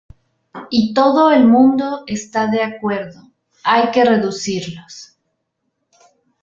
Y todo el mundo está de acuerdo: hay que reducirlos"".